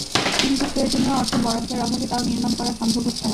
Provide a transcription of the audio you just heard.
কিন্তু প্রয়োজনীয় অর্থ বরাদ্দের অভাবে তাও নির্মাণ করা সম্ভব হচ্ছে না।